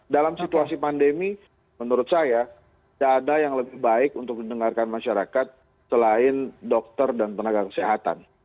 dalam situasi pandemi menurut saya tidak ada yang lebih baik untuk didengarkan masyarakat selain dokter dan tenaga kesehatan